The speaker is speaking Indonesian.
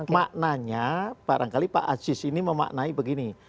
maknanya barangkali pak aziz ini memaknai begini